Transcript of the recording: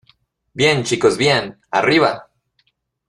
¡ bien, chicos , bien! ¡ arriba !